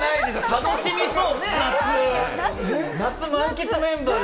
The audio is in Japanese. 楽しみそう。